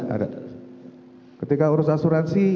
ada ketika urus asuransi